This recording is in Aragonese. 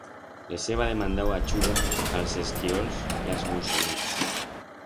Les heba demanau achuda a'ls esquirols y a'ls muixonets.